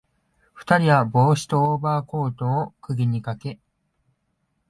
二人は帽子とオーバーコートを釘にかけ、